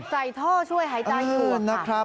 ใจท่อช่วยหายใจกลัวค่ะ